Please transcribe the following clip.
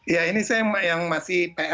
ya ini saya yang masih pr buat kita